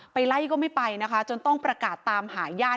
ไปไล่ก็ไม่ไปนะคะจนต้องประกาศตามหาญาติ